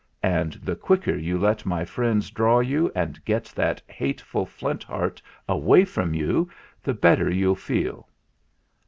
And the quicker you let my friends draw you and get that hateful Flint Heart away from you, the better you'll feel."